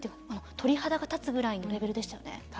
鳥肌が立つぐらいのレベルでしたよね。